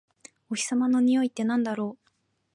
お日様のにおいってなんだろう？